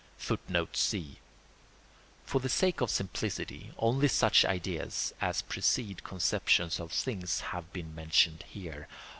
] [Footnote C: For the sake of simplicity only such ideas as precede conceptions of things have been mentioned here.